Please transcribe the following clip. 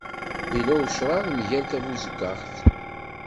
Ilaq ucraḍ mgal tabuzeggaɣt.